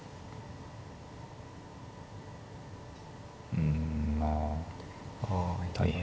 うんまあ大変。